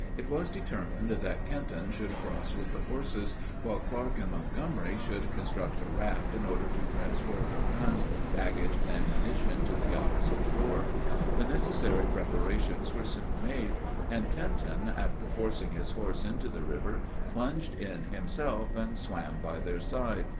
It was determined that Kenton should cross with the horses, while Clark and Montgomery should construct a raft, in order to transport their guns, baggage, and ammunition, to the opposite shore. The necessary preparations were soon made, and Kenton, after forcing his horses into the river, plunged in himself, and swam by their side.